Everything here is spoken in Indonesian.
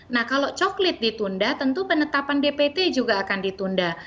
nah kalau coklit ditunda tentu penetapan dpt juga akan ditunda